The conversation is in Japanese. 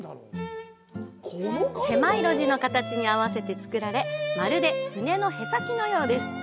狭い路地の形に合わせて造られまるで船のへさきのようです。